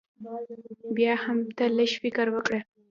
بيا هم تۀ لږ فکر وکړه